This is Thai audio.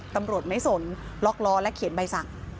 ตำรวจไม่สนล็อกล้อและเขียนใบสั่ง